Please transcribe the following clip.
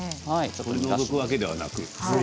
取り除くわけではなく。